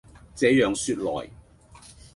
這樣說來，